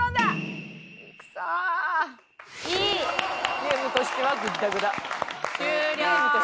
「ゲームとしてはグッダグダ」